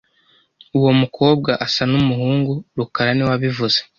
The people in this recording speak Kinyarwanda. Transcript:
Uwo mukobwa asa numuhungu rukara niwe wabivuze